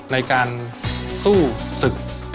ในการสู้ศึก